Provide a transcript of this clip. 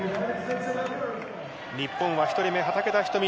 日本は１人目、畠田瞳。